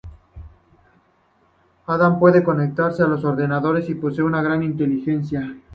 Adam puede conectarse a los ordenadores y posee una gran inteligencia.